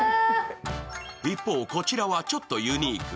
一方、こちらはちょっとユニーク。